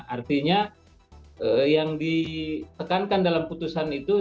artinya yang ditekankan dalam putusan itu